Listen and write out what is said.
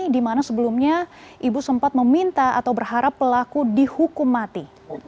di mana sebelumnya ibu sempat meminta atau berharap pelaku dihukum mati